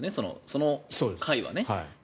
その階はね。